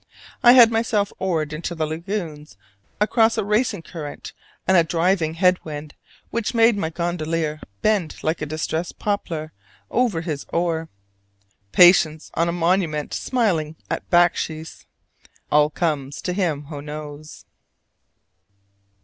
I had myself oared into the lagoons across a racing current and a driving head wind which made my gondolier bend like a distressed poplar over his oar; patience on a monument smiling at backsheesh "all comes to him who knows."